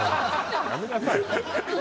やめなさい